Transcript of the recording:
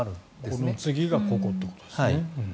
この次がここということですね。